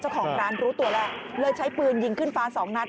เจ้าของร้านรู้ตัวแล้วเลยใช้ปืนยิงขึ้นฟ้าสองนัด